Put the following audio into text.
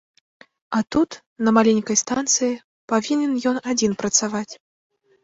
А тут, на маленькай станцыі, павінен ён адзін працаваць.